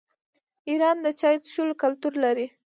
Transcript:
ایران د چای څښلو کلتور لري.